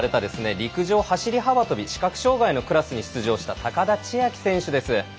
陸上、走幅跳び視覚障がいのクラスに出場した高田千明選手です。